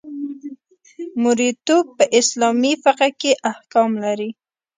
مرییتوب په اسلامي فقه کې احکام لري.